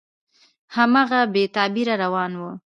هماغسې بې تغییره روان وي،